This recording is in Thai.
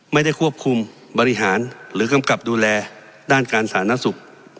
ไม่ได้ควบคุมบริหารหรือกำกับดูแลด้านการสาธารณสุข